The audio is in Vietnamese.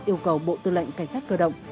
yêu cầu bộ tư lệnh cảnh sát cơ động